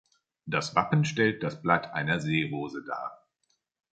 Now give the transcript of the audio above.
Das Wappen stellt das Blatt einer Seerose dar.